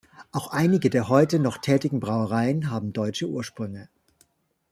Auch einige der heute noch tätigen Brauereien haben deutsche Ursprünge.